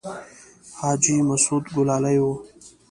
حاجي مسعود ګلالی و.